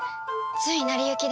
つい成り行きで。